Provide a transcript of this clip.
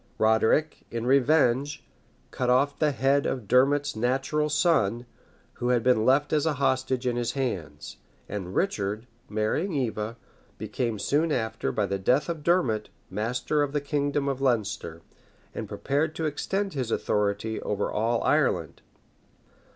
Roderic, in revenge, cut off the head of Dermot's natural son, who had been left as a hostage in his hands; and Richard, marrying Eva, became soon after, by the death of Dermot, master of the kingdom of Leinster, and prepared to extend his authority over all Ireland.